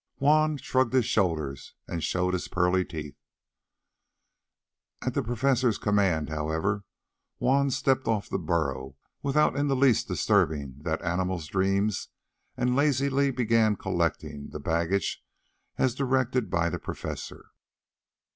Juan shrugged his shoulders and showed his pearly teeth. At the Professor's command, however, Juan stepped off the burro without in the least disturbing that animal's dreams and lazily began collecting the baggage as directed by the Professor.